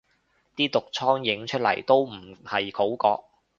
啲毒瘡影出嚟都唔係好覺